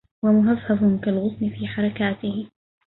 ومهفهف كالغصن في حركاته